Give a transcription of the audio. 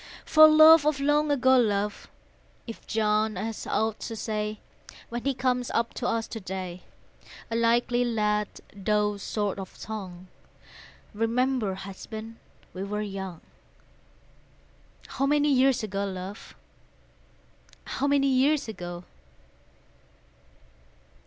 For love of long ago, love, If John has aught to say, When he comes up to us to day, (A likely lad, though short of tongue,) Remember, husband, we were young, How many years ago, love, How many years ago?